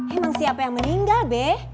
emang siapa yang meninggal deh